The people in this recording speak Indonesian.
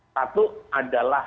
satu adalah dua ribu dua puluh empat